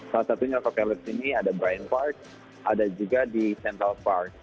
salah satunya cocallets ini ada brin park ada juga di central park